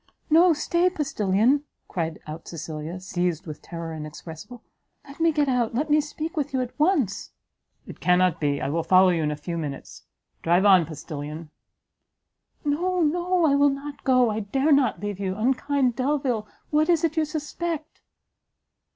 "No! stay, postilion!" called out Cecilia, seized with terror inexpressible; "let me get out, let me speak with you at once!" "It cannot be; I will follow you in a few minutes drive on, postilion!" "No, no! I will not go I dare not leave you unkind Delvile! what is it you suspect."